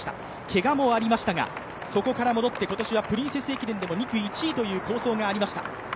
けがもありましたがそこから戻って今年はプリンセス駅伝でも２区１位という好走がありました。